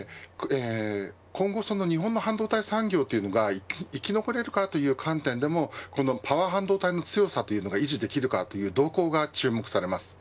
今後、日本の半導体産業というのが生き残れるかという観点でもこのパワー半導体の強さというのが維持できるかという動向が注目されます。